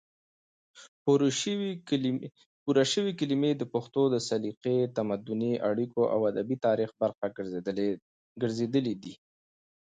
پورشوي کلمې د پښتو د سلیقې، تمدني اړیکو او ادبي تاریخ برخه ګرځېدلې دي،